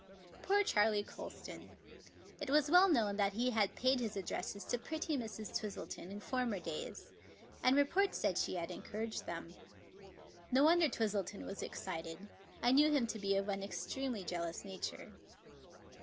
Poor Charley Colston! It was well known that he had paid his addresses to pretty Mrs. Twistleton in former days, and report said she had encouraged them. No wonder Twistleton was excited. I knew him to be of an extremely jealous nature.